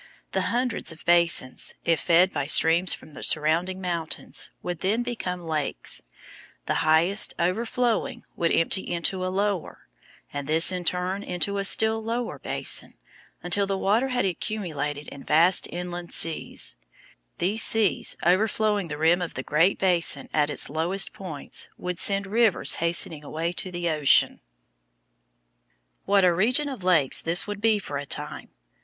The hundreds of basins, if fed by streams from the surrounding mountains, would then become lakes. The highest, overflowing, would empty into a lower, and this in turn into a still lower basin, until the water had accumulated in vast inland seas. These seas, overflowing the rim of the Great Basin at its lowest points, would send rivers hastening away to the ocean. [Illustration: Map of the Great Basin showing the location and extent of the ancient lake beds.] What a region of lakes this would be for a time!